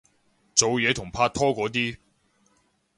做嘢同拍拖嗰啲